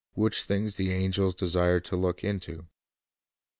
. which things the angels desire to look into."